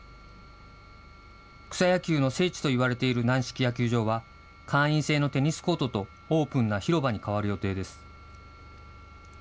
草野球の聖地といわれている軟式野球場は、会員制のテニスコートと、オープンな広場に変わる予定です。